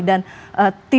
dan tim sarkasi